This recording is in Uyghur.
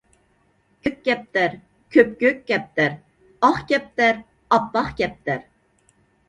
كۆك كەپتەر – كۆپكۆك كەپتەر، ئاق كەپتەر - ئاپئاق كەپتەر